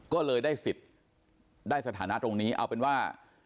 ก็เลยได้สิทธิ์ได้สถานะตรงนี้เอาเป็นว่า